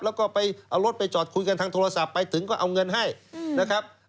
แล้วก็ไปเอารถไปจอดคุยกันทางโทรศัพท์ไปถึงก็เอาเงินให้นะครับ